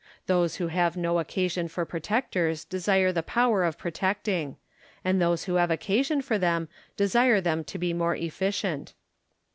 Those who have no occasion for protectors desii'e the power of protecting ; and those who have occasion for them desire them to be more efficient.